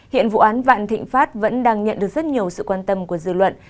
hiện vụ án vạn thịnh pháp vẫn đang nhận được rất nhiều sự quan tâm của dư luận